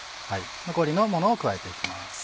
残りのものを加えて行きます。